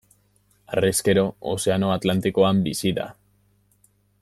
Harrezkero, Ozeano Atlantikoan bizi da.